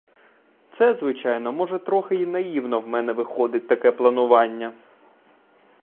Це, звичайно, може, трохи й наївно в мене виходить таке планування.